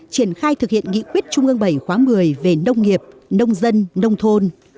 triển khai thực hiện nghị quyết trung ương bảy khóa một mươi về nông nghiệp nông dân nông thôn